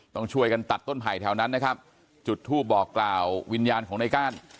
ต้องช่วยกันตัดต้นไผ่แถวนั้นนะครับจุดทูปบอกกล่าววิญญาณของในก้าน